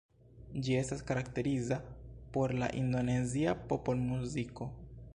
Ĝi estas karakteriza por la indonezia popolmuziko.